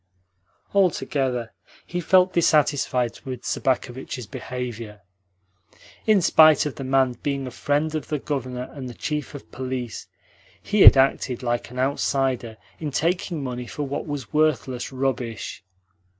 Altogether he felt dissatisfied with Sobakevitch's behaviour. In spite of the man being a friend of the Governor and the Chief of Police, he had acted like an outsider in taking money for what was worthless rubbish.